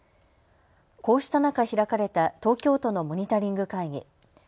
こうした中、開かれた東京都のモニタリング会議。